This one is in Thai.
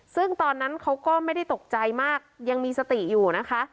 ซึ่งตอนนั้นเขาก็ไม่ได้ตกใจมากยังมีสติอยู่นะคะ